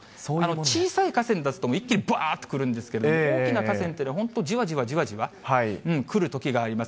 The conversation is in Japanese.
小さい河川ですと、一気にぶわーっと来るんですけれども、大きな河川というのは、本当じわじわじわじわ来るときがあります。